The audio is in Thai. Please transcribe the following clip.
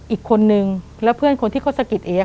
อีกคนนึงแล้วเพื่อนคนที่เขาสะกิดเอ